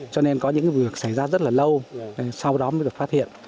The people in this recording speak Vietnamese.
cho nên có những việc xảy ra rất là lâu sau đó mới được phát hiện